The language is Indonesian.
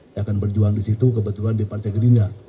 saya akan berjuang di situ kebetulan di partai gerinda